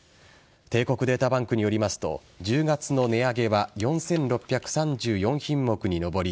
帝国データバンクによりますと１０月の値上げは４６３４品目に上り